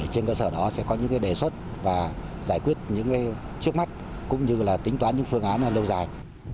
trên cơ sở đó sẽ có những đề xuất và giải quyết những trước mắt cũng như là tính toán những phương án lâu dài